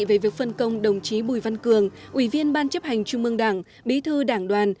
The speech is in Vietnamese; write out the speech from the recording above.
về việc phân công đồng chí bùi văn cường ủy viên ban chấp hành trung mương đảng bí thư đảng đoàn